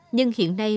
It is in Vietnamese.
nhưng hiện nay